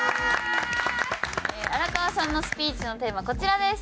荒川さんのスピーチのテーマこちらです。